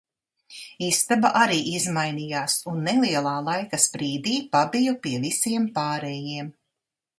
Istaba arī izmainījās un nelielā laika sprīdī pabiju pie visiem pārējiem.